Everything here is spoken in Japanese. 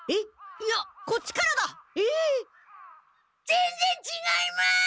ぜんぜんちがいます！